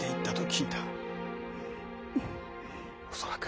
恐らく。